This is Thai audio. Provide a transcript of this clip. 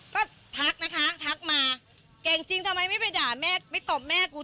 ก็ทักนะคะทักมาเก่งจริงทำไมไม่ไปด่าแม่ไม่ตบแม่กู